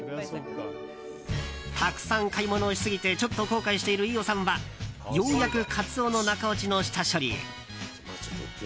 たくさん買い物をしすぎてちょっと後悔している飯尾さんはようやくカツオの中落ちの下処理へ。